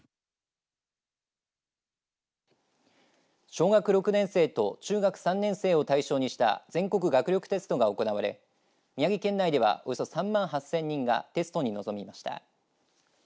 小学６年生と中学３年生を対象にした全国学力テストが行われ宮城県内では、およそ３万８０００人がテストに臨みました。